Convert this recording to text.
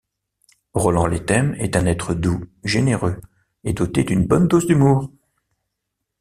Roland Lethem est un être doux, généreux et doté d’une bonne dose d’humour.